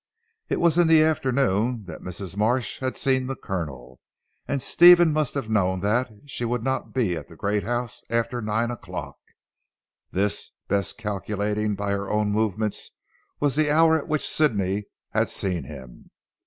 It was in the afternoon that Mrs. Marsh had seen the Colonel, and Stephen must have known that she would not be at the great house after nine o'clock. This, Bess, calculating by her own movements, was the hour at which Sidney had seen him.